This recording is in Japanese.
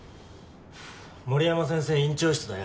森山先生院長室だよ。